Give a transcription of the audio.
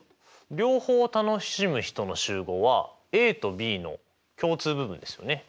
両方楽しむ人の集合はＡとＢの共通部分ですよね。